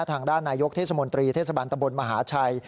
ทางด้านนายกเทศมนตรีเทศบาลตะบนมหาชัย